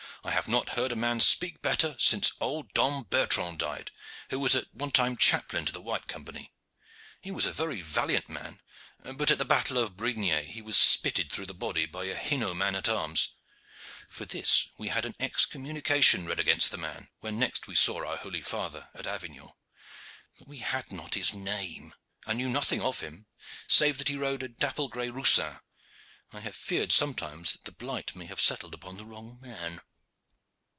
"I have not heard a man speak better since old Dom Bertrand died, who was at one time chaplain to the White Company. He was a very valiant man, but at the battle of Brignais he was spitted through the body by a Hainault man at arms. For this we had an excommunication read against the man, when next we saw our holy father at Avignon; but as we had not his name, and knew nothing of him, save that he rode a dapple gray roussin, I have feared sometimes that the blight may have settled upon the wrong man."